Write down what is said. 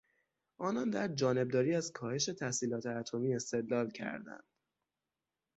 آنان در جانبداری از کاهش تسلیحات اتمی استدلال کردند.